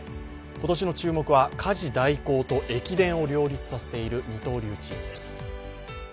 今年の注目は家事代行と駅伝を両立されている二刀流チームです。